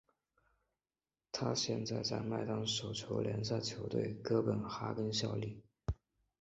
他现在在丹麦手球联赛球队哥本哈根效力。